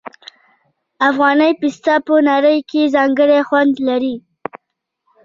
افغاني پسته په نړۍ کې ځانګړی خوند لري.